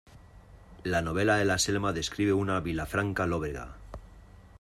La novela de la Selma describe una Vilafranca lóbrega.